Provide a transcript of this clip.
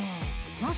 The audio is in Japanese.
なぜ？